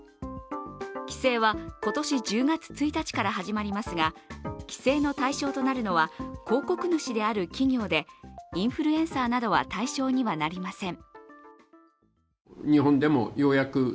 規制は今年１０月１日から始まりますが、規制の対象となるのは広告主である企業でインフルエンサーなどは対象にはなりません。